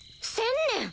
１０００年！